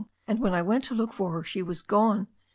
And when I went to look for her she was gone.